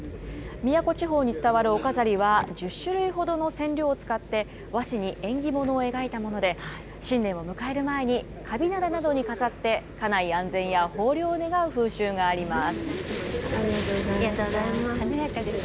宮古地方に伝わるお飾りは１０種類ほどの染料を使って、和紙に縁起物を描いたもので、新年を迎える前に、神棚などに飾って家内安全や豊漁を願う風習があります。